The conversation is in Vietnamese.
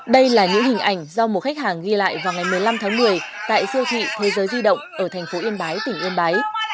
đây là những hình ảnh do một khách hàng ghi lại vào ngày một mươi năm tháng một mươi tại siêu thị thế giới di động ở thành phố yên bái tỉnh yên bái